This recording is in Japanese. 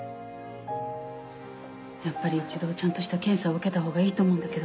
やっぱり一度ちゃんとした検査を受けたほうがいいと思うんだけど。